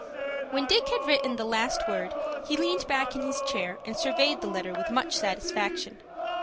When Dick had written the last word, he leaned back in his chair, and surveyed the letter with much satisfaction.